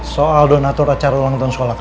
soal donatur acara ulang tahun sekolah kamu kan